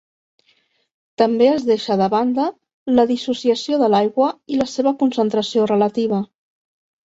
També es deixa de banda la dissociació de l'aigua i la seva concentració relativa.